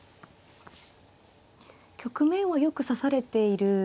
局面はよく指されている。